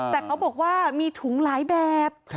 แต่เขาบอกว่ามีถุงหลายแบบ